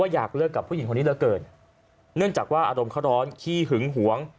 อยากเลิกกับผู้หญิงคนนี้เหลือเกินเนื่องจากว่าอารมณ์เขาร้อนขี้หึงหวง